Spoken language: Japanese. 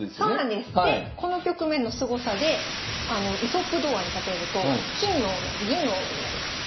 でこの局面のすごさであの「イソップ童話」に例えると金の斧銀の斧になります。